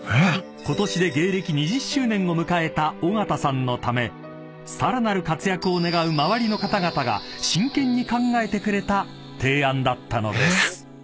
［ことしで芸歴２０周年を迎えた尾形さんのためさらなる活躍を願う周りの方々が真剣に考えてくれた提案だったのです］